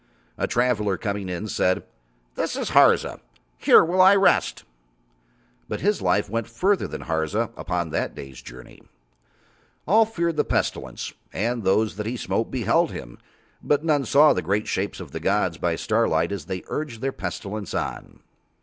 A traveller coming in said: "This is Harza. Here will I rest." But his life went further than Harza upon that day's journey. All feared the Pestilence, and those that he smote beheld him, but none saw the great shapes of the gods by starlight as They urged Their Pestilence on.